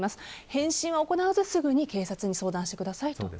返信は行わずすぐに警察に相談してください